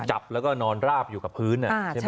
จับแล้วก็นอนราบอยู่กับพื้นใช่ไหม